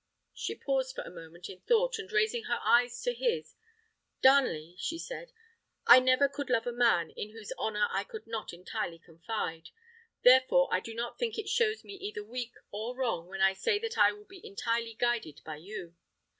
She paused for a moment in thought, and, raising her eyes to his, "Darnley," she said, "I never could love a man in whose honour I could not entirely confide; therefore I do not think it shows me either weak or wrong when I say that I will be entirely guided by you.